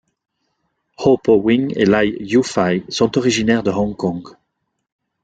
Ho Po-wing et Lai Yiu-fai sont originaires de Hong Kong.